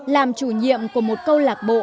làm chủ nhiệm của một câu lạc bộ